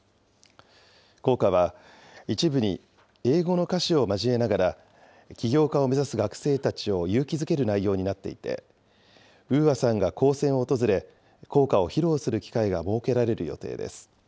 校歌は一部に英語の歌詞を交えながら、起業家を目指す学生たちを勇気づける内容になっていて、ＵＡさんが高専を訪れ、校歌を披露